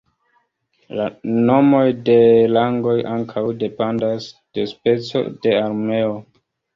Nomoj de rangoj ankaŭ dependas de speco de armeo.